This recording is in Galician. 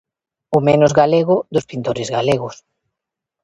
O menos galego dos pintores galegos.